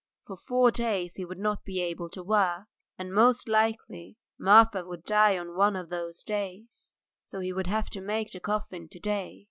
For four days he would not be able to work, and most likely Marfa would die on one of those days; so he would have to make the coffin to day.